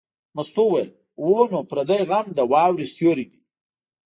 مستو وویل: هو نو پردی غم د واورې سیوری دی.